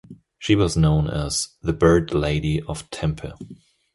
She was known as "the Bird Lady of Tempe".